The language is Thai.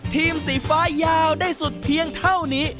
สีฟ้ายาวได้สุดเพียงเท่านี้